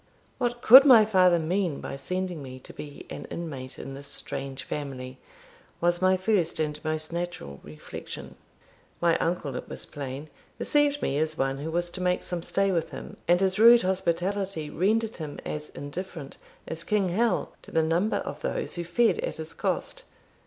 "What could my father mean by sending me to be an inmate in this strange family?" was my first and most natural reflection. My uncle, it was plain, received me as one who was to make some stay with him, and his rude hospitality rendered him as indifferent as King Hal to the number of those who fed at his cost.